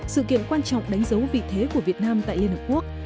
sự kiện quan trọng đánh dấu vị thế của việt nam tại liên hợp quốc